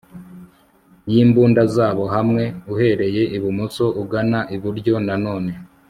y'imbunda zabo hamwe uhereye ibumoso ugana iburyo na none